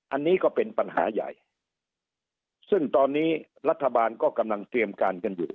อันนี้ก็เป็นปัญหาใหญ่ซึ่งตอนนี้รัฐบาลก็กำลังเตรียมการกันอยู่